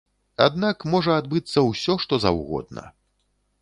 Аднак можа адбыцца ўсё што заўгодна.